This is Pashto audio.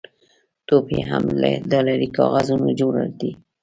ټوپ یې هم له ډالري کاغذونو جوړ دی.